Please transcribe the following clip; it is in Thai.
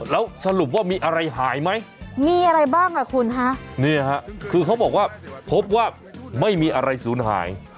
แล้วสรุปว่ามีอะไรหายไหมมีอะไรบ้างอ่ะคุณฮะนี่ฮะคือเขาบอกว่าพบว่าไม่มีอะไรสูญหาย